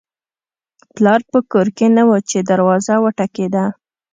پلار په کور کې نه و چې دروازه وټکېده